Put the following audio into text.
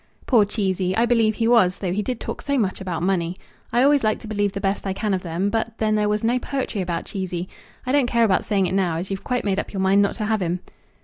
"Poor Cheesy! I believe he was, though he did talk so much about money. I always like to believe the best I can of them. But then there was no poetry about Cheesy. I don't care about saying it now, as you've quite made up your mind not to have him."